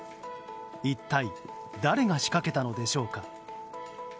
一体、誰が仕掛けたのでしょうか。